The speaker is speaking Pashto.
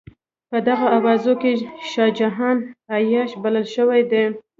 په دغو اوازو کې شاه جهان عیاش بلل شوی دی.